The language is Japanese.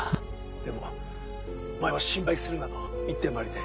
でもお前は心配するなの一点張りで。